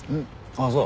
あっそう。